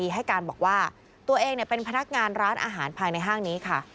ให้การบอกว่าตัวเองเป็นพนักงานร้านอาหารภายในห้างนี้ค่ะ